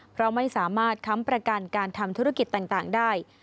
เพราะไม่สามารถค้ำประกันการทำธุรกิจต่างได้